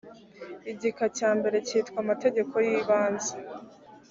igika cya mbere cyitwa amategeko y ibanze